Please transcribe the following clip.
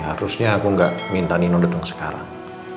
harusnya aku gak minta nino dateng sekarang